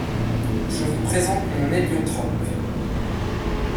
Je vous présente mon héliotrope.